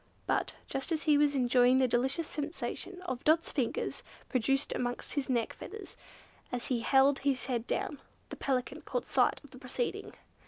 But, just as he was enjoying the delicious sensation Dot's fingers produced amongst his neck feathers, as he held his head down, the Pelican caught sight of the proceeding.